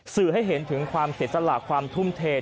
สื่อให้เห็นถึงความเสียสละความทุ่มเท